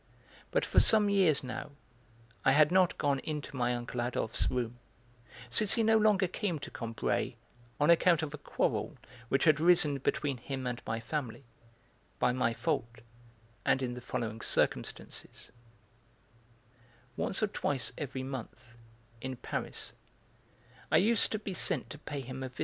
But for some years now I had not gone into my uncle Adolphe's room, since he no longer came to Combray on account of a quarrel which had arisen between him and my family, by my fault, and in the following circumstances: Once or twice every month, in Paris, I used to be sent to pay him a.